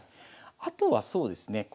あとはそうですね